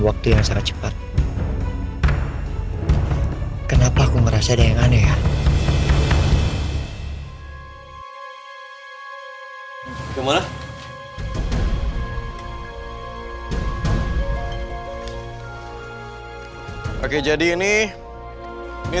waktu yang sangat cepat kenapa aku merasa ada yang aneh ya cobalah oke jadi ini